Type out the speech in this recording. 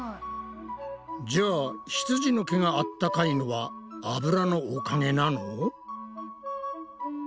じゃあひつじの毛があったかいのはあぶらのおかげなの？